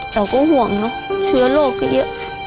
เราก็ห่วงเนอะเชื้อโรคก็เยอะ